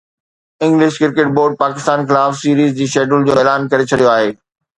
English cricket board Pakistan خلاف series جي schedule جو اعلان ڪري ڇڏيو آهي